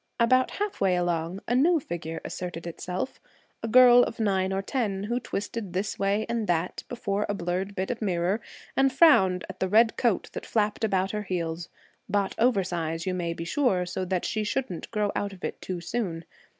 About half way along, a new figure asserted itself a girl of nine or ten, who twisted this way and that before a blurred bit of mirror and frowned at the red coat that flapped about her heels, bought oversize, you may be sure, so that she shouldn't grow out of it too soon.